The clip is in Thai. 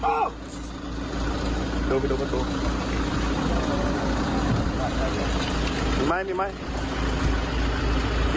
นำีลักษณะกลุ่มและที่ด้านนี้อีกวันนี้มีหลวงพลังสู่ดนตรี